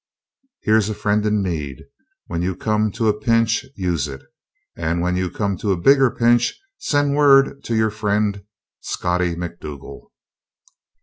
Here's a friend in need. When you come to a pinch, use it. And when you come to a bigger pinch send word to your friend, SCOTTIE MACDOUGAL.